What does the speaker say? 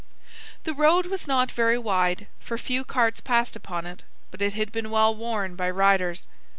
The road was not very wide, for few carts passed upon it, but it had been well worn by riders.